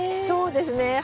そうですね。